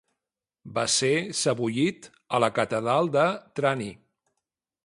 Va ser sebollit a la catedral de Trani.